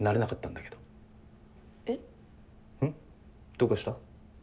どうかした？